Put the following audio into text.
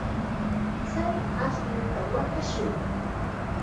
Chay ashnuta watashun.